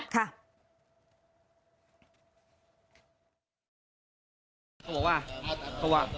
เขาบอกว่า